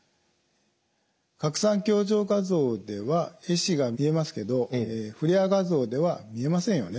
拡散強調画像ではえ死が見えますけどフレアー画像では見えませんよね。